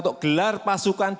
untuk gelar pasukan